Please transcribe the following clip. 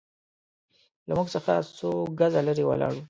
له موږ څخه څو ګزه لرې ولاړ.